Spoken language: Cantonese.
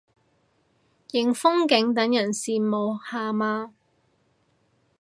影風景等人羨慕下嘛